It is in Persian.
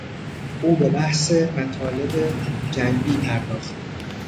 او به بحث مطالب جنبی پرداخت.